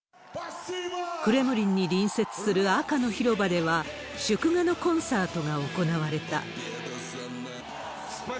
クレムリンに隣接する赤の広場では、祝賀のコンサートが行われた。